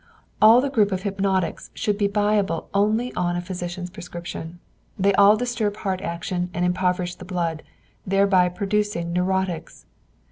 All the group of hypnotics should be buyable only on a physician's prescription. They all disturb heart action and impoverish the blood, thereby producing neurotics.